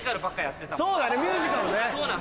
そうだねミュージカルね。